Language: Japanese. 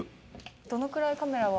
どのくらいカメラは？